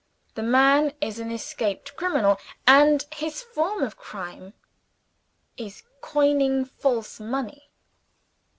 The man is an escaped criminal; and his form of crime is coining false money.